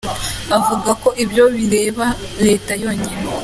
Avuga ko ibyo bireba Leta yonyine.